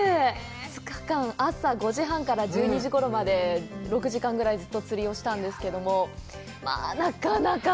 ２日間、朝５時半から、１２時ごろまで６時間ぐらいずっと釣りをしたんですけれども、まあ、なかなか。